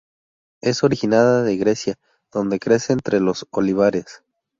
Es originaria de Grecia donde crece entre los olivares.